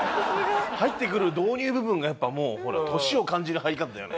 入ってくる導入部分がやっぱもうほら年を感じる入り方だよね。